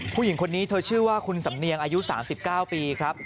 ผู้หญิงคนนี้เธอชื่อว่าคุณสำเนียงอายุ๓๙ปีครับ